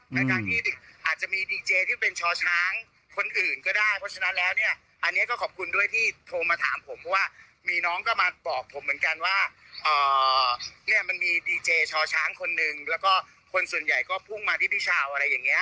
ในการที่อาจจะมีดีเจที่เป็นชอช้างคนอื่นก็ได้เพราะฉะนั้นแล้วเนี่ยอันนี้ก็ขอบคุณด้วยที่โทรมาถามผมเพราะว่ามีน้องก็มาบอกผมเหมือนกันว่าเนี่ยมันมีดีเจชอช้างคนหนึ่งแล้วก็คนส่วนใหญ่ก็พุ่งมาที่พี่ชาวอะไรอย่างเงี้